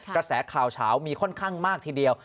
กระแสข่าวเฉามีค่อนข้างมากทีเดียว